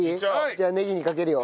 じゃあネギにかけるよ。